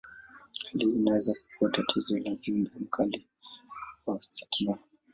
Hali hii inaweza kuwa tatizo la uvimbe mkali wa sikio.